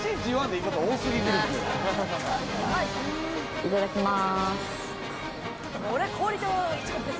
いただきます。